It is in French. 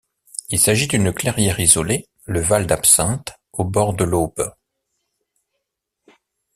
Il s'agit d'une clairière isolée, le val d'Absinthe, au bord de l'Aube.